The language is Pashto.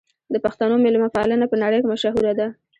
د پښتنو مېلمه پالنه په نړۍ کې مشهوره ده.